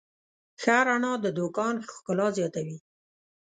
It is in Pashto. ښه رڼا د دوکان ښکلا زیاتوي.